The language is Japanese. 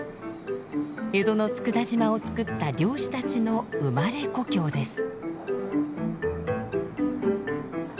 江戸の佃島をつくった漁師たちの生まれ故郷です。